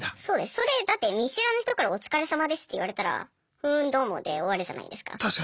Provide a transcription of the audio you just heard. それだって見知らぬ人から「お疲れさまです」って言われたら「ふんどうも」で終わるじゃないですか。